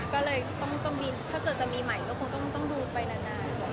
ก็เลยต้องบินถ้าเกิดจะมีใหม่ก็คงต้องดูไปนาน